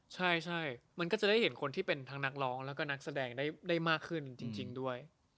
ใช่มันก็จะได้เห็นคนที่เป็นทั้งนักร้องแล้วก็นักแสดงได้มากขึ้นจริงด้วย